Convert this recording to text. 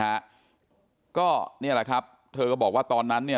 อันนี้แม่งอียางเนี่ย